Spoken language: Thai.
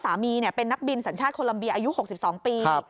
สามีเป็นนักบินสัญชาติโคลัมเบียอายุ๖๒ปี